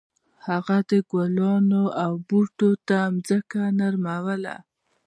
هغه د ګلانو او بوټو ته ځمکه نرموله.